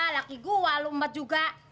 laki gue lombat juga